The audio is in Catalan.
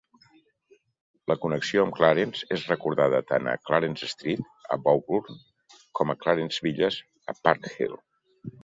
La connexió amb Clarence és recordada tant a Clarence Street, a Bowburn, com a Clarence Villas, a Parkhill.